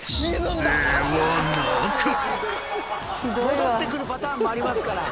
戻ってくるパターンもありますから。